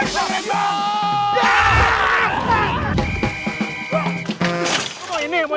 kita rawat bareng ya